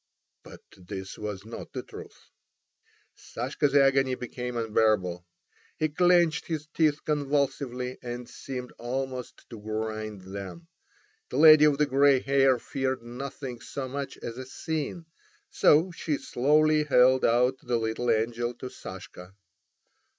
But this was not the truth. Sashka's agony became unbearable. He clenched his teeth convulsively, and seemed almost to grind them. The lady of the grey hair feared nothing so much as a scene, so she slowly held out the little angel to Sashka.